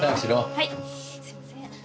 はいすいません。